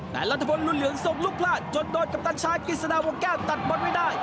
แต่รัฐพลรุ่นเหลืองส่งลูกพลาดจนโดนกัปตันชายกฤษฎาวงแก้วตัดบอลไม่ได้